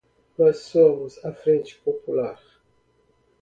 Nós somos a Frente Popular!